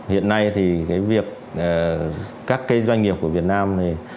hiện nay các doanh nghiệp của việt nam